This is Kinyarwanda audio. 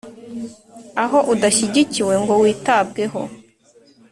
Aho udashyigikiwe ngo witabweho,